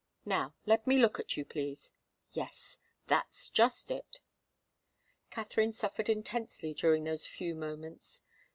Now let me look at you, please yes that's just it." Katharine suffered intensely during those few moments.